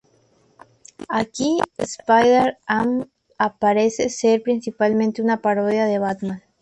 Aquí, Spider-Ham parece ser principalmente una parodia de Batman.